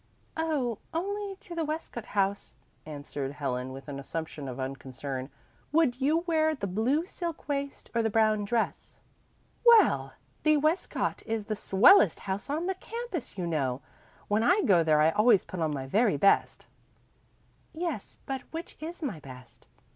"Oh, only to the Westcott House," answered Helen with an assumption of unconcern. "Would you wear the blue silk waist or the brown dress?" "Well, the Westcott is the swellest house on the campus, you know. When I go there I always put on my very best." "Yes, but which is my best?"